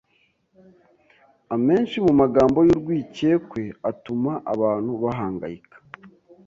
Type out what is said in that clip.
amenshi mu magambo y’urwikekwe atuma abantu bahangayika